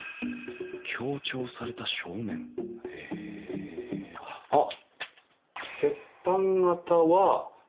へえあっ！